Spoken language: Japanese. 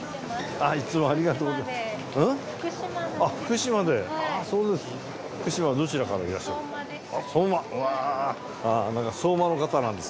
ありがとうございます。